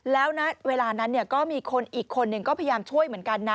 แล้วณเวลานั้นก็มีคนอีกคนหนึ่งก็พยายามช่วยเหมือนกันนะ